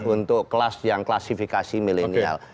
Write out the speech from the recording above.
untuk kelas yang klasifikasi milenial